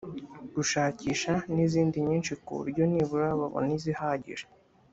gushakisha n’izindi nyinshi ku buryo nibura babona izihagije